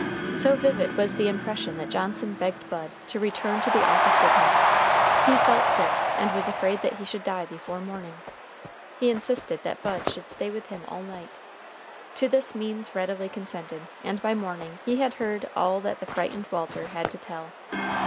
So vivid was the impression that Johnson begged Bud to return to the office with him. He felt sick, and was afraid that he should die before morning. He insisted that Bud should stay with him all night. To this Means readily consented, and by morning he had heard all that the frightened Walter had to tell.